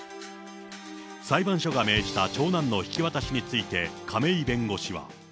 裁判所が命じた長男の引き渡しについて亀井弁護士は。